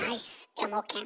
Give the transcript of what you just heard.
エモケン。